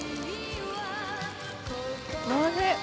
おいしい。